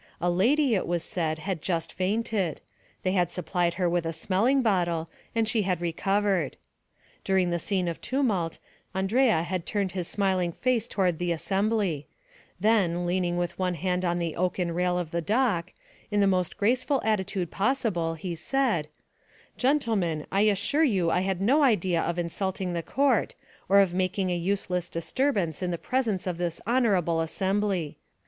A lady, it was said, had just fainted; they had supplied her with a smelling bottle, and she had recovered. During the scene of tumult, Andrea had turned his smiling face towards the assembly; then, leaning with one hand on the oaken rail of the dock, in the most graceful attitude possible, he said: "Gentlemen, I assure you I had no idea of insulting the court, or of making a useless disturbance in the presence of this honorable assembly.